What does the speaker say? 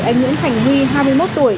anh nguyễn thành huy hai mươi một tuổi